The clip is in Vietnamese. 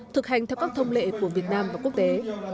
thực hành theo các thông lệ của việt nam và quốc tế